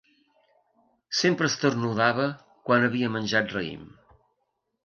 Sempre esternudava quan havia menjat raïm.